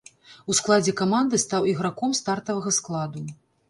У складзе каманды стаў іграком стартавага складу.